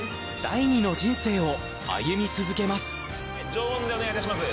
常温でお願い致します。